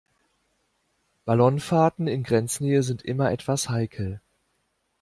Ballonfahrten in Grenznähe sind immer etwas heikel.